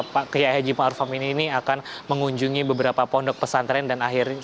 pak kiyai haji maruf amin ini akan mengunjungi beberapa pondok pesantren dan akhirnya